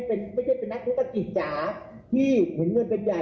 พวกเราต้องอย่าให้คนมาเที่ยว